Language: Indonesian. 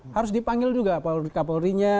harus dipanggil juga kapolri nya